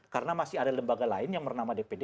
karena masih ada lembaga lain yang bernama dpd